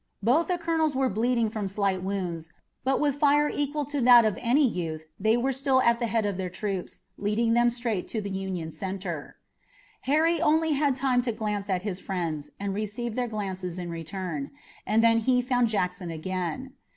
Both the colonels were bleeding from slight wounds, but with fire equal to that of any youth they were still at the head of their troops, leading them straight toward the Union center. Harry only had time to glance at his friends and receive their glances in return, and then he found Jackson again.